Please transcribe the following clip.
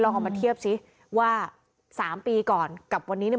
เอามาเทียบสิว่าสามปีก่อนกับวันนี้เนี่ย